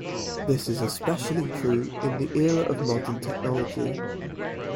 This is especially true in the era of modern technology.